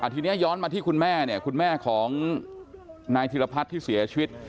ทีนี้ย้อนมาที่คุณแม่เนี่ยคุณแม่ของนายธิรพัฒน์ที่เสียชีวิต